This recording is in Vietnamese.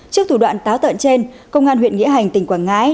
trước thủ đoạn táo tợn trên công an huyện nghĩa hành tỉnh quảng ngãi